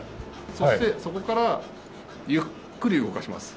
そしてそこからゆっくり動かします。